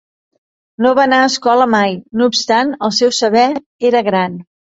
No va anar a escola mai, no obstant el seu saber era gran.